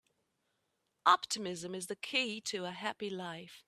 Optimism is the key to a happy life.